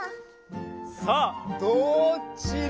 さあどっちだ？